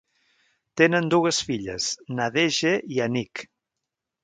Tenen dues filles, Nadege i Anik.